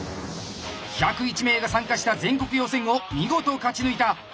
１０１名が参加した全国予選を見事勝ち抜いた包帯